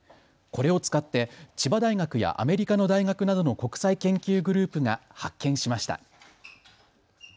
これを使って千葉大学やアメリカの大学などの国際研究グループが発見しました。